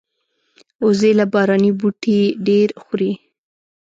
وزې له باراني بوټي ډېر خوري